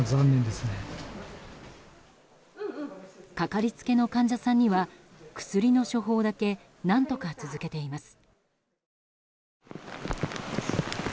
かかりつけの患者さんには薬の処方だけ何とか続けています。